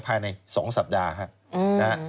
ภายใน๒สัปดาห์ครับ